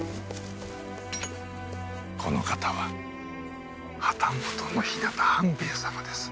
この方は旗本の日向半兵衛様です。